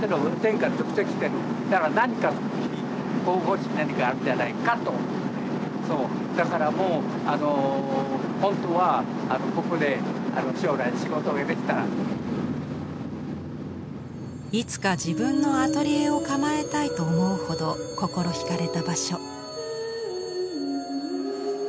だから何かだからもうほんとはいつか自分のアトリエを構えたいと思うほど心ひかれた場所。